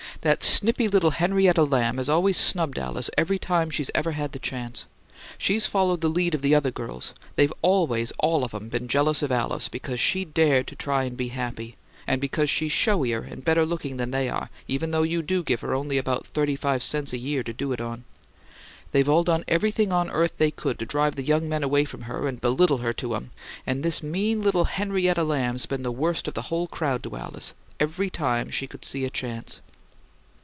"That snippy little Henrietta Lamb has always snubbed Alice every time she's ever had the chance. She's followed the lead of the other girls; they've always all of 'em been jealous of Alice because she dared to try and be happy, and because she's showier and better looking than they are, even though you do give her only about thirty five cents a year to do it on! They've all done everything on earth they could to drive the young men away from her and belittle her to 'em; and this mean little Henrietta Lamb's been the worst of the whole crowd to Alice, every time she could see a chance."